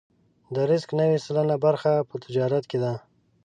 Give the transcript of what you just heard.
د رزق نوې سلنه برخه په تجارت کې ده.